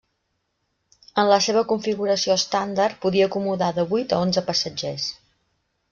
En la seva configuració estàndard podia acomodar de vuit a onze passatgers.